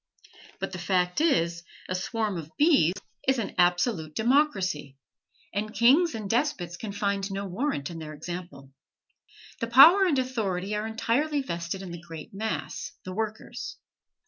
But the fact is, a swarm of bees is an absolute democracy, and kings and despots can find no warrant in their example. The power and authority are entirely vested in the great mass, the workers.